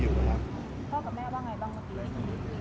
พ่อกับแม่บ้างไงเมื่อกี้